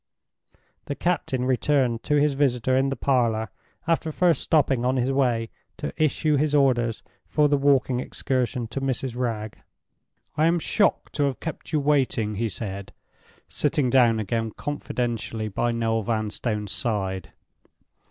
The captain returned to his visitor in the parlor, after first stopping on his way to issue his orders for the walking excursion to Mrs. Wragge. "I am shocked to have kept you waiting," he said, sitting down again confidentially by Noel Vanstone's side.